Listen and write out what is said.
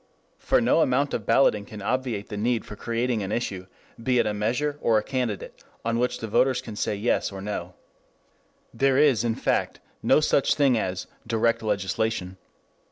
For no amount of balloting can obviate the need of creating an issue, be it a measure or a candidate, on which the voters can say Yes, or No. There is, in fact, no such thing as "direct legislation."